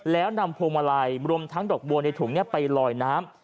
แล้วนำพวงมาลัยรวมทั้งดอกบัวในถุงไปลอยน้ำ